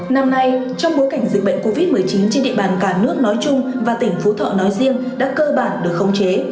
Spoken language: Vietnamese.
năm nay trong bối cảnh dịch bệnh covid một mươi chín trên địa bàn cả nước nói chung và tỉnh phú thọ nói riêng đã cơ bản được khống chế